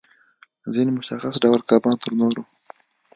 ځینې مشخص ډول کبان تر نورو